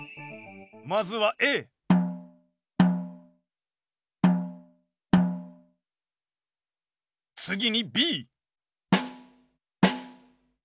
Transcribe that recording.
まずはＡ次にＢ